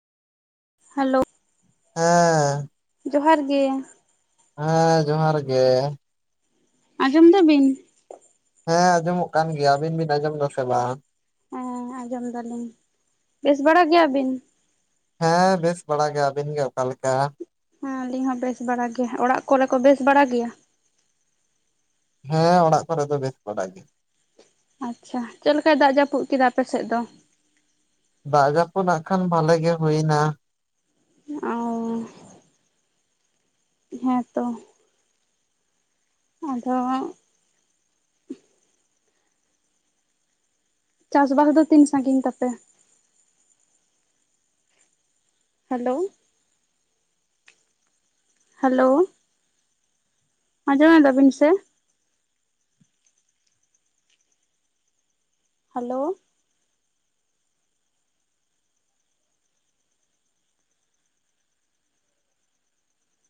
Hello. ᱦᱮᱸᱻ ᱡᱚᱦᱟᱨ ᱜᱮ ᱾ ᱦᱮᱸ ᱡᱚᱦᱟᱨ ᱜᱮ᱾ ᱟᱸᱡᱚᱢ ᱫᱟ ᱵᱤᱱ? ᱦᱮᱸ ᱟᱸᱡᱚᱢᱚᱜ ᱠᱟᱱ ᱜᱮᱭᱟ ᱾ ᱟᱵᱤᱱ ᱵᱤᱱ ᱟᱸᱡᱚᱢ ᱫᱚ ᱥᱮ ᱵᱟᱝ? ᱦᱮᱸ ᱟᱸᱡᱚᱢ ᱫᱟ ᱞᱤᱧ ᱾ ᱵᱮᱥ ᱵᱟᱲᱟ ᱜᱮᱭᱟ ᱵᱤᱱ? ᱦᱮᱸ ᱵᱮᱥ ᱵᱟᱲᱟ ᱜᱮ ᱾ ᱟᱹᱵᱤᱱ ᱜᱮ ᱚᱠᱟᱞᱮᱠᱟ? ᱦᱮᱸ ᱟᱹᱞᱤᱧ ᱦᱚᱸ ᱵᱮᱥ ᱵᱟᱲᱟ ᱜᱮᱭᱟ ᱾ ᱚᱲᱟᱜ ᱠᱚᱨᱮ ᱠᱚ ᱵᱮᱥ ᱵᱟᱲᱟ ᱜᱮᱭᱟ? ᱦᱮᱸ ᱚᱲᱟᱜ ᱠᱚᱨᱮ ᱫᱚ ᱵᱮᱥ ᱵᱟᱲᱟ ᱜᱮ᱾ ᱟᱪᱪᱷᱟ, ᱪᱮᱫ ᱞᱮᱠᱟᱭ ᱫᱟᱜ ᱡᱟᱹᱯᱩᱫ ᱠᱮᱫᱟ ᱟᱯᱮᱥᱮᱫ ᱫᱚ? ᱫᱟᱜ ᱡᱟᱹᱯᱩᱫ ᱱᱟᱜ ᱠᱷᱟᱱ ᱵᱷᱟᱞᱮ ᱜᱮ ᱦᱩᱭ ᱱᱟ᱾ ᱚᱸᱻ, ᱦᱮᱸ ᱛᱚ ᱾ ᱟᱫᱚ ᱪᱟᱥ ᱵᱟᱥ ᱫᱚ ᱛᱤᱱ ᱥᱟᱺᱜᱤᱧ ᱛᱟᱯᱮ? ᱦᱮᱞᱳ᱾ ᱦᱮᱞᱳ᱾ ᱟᱸᱡᱚᱢᱮᱫᱟ ᱵᱤᱱ ᱥᱮ? ᱦᱮᱞᱳ᱾